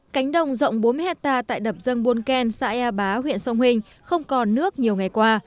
cánh đồng rộng bốn mươi hectare tại đập dân buôn ken xã ea bá huyện sông hình không còn nước nhiều ngày qua